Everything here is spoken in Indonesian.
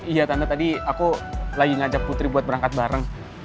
iya tanda tadi aku lagi ngajak putri buat berangkat bareng